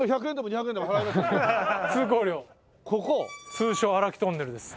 通称荒木トンネルです。